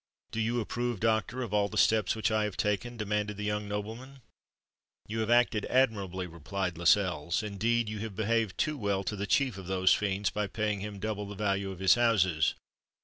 "Do you approve, doctor, of all the steps which I have taken?" demanded the young nobleman. "You have acted admirably," replied Lascelles. "Indeed, you have behaved too well to the chief of those fiends, by paying him double the value of his houses."